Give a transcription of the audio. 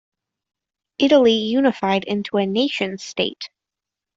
Italy unified into a nation state.